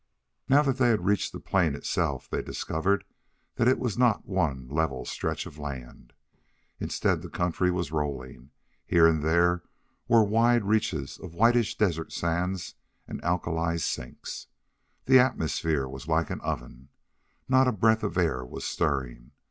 Now that they had reached the plain itself, they discovered that it was not one level stretch of land. Instead, the country was rolling; here and there were wide reaches of whitish desert sands and alkali sinks. The atmosphere was like an oven. Not a breath of air was stirring.